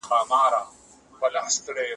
سپرلي ته سترګې کړه څلور خزان ته هيڅ مه وايه